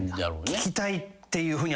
聞きたいっていうふうに。